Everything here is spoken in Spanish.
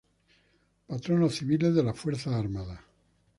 Patronos Civiles de las Fuerzas Armadas